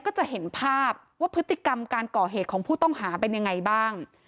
ก็จะเห็นภาพว่าพฤติกรรมการก่อเหตุของผู้ต้องหาเป็นยังไงบ้าง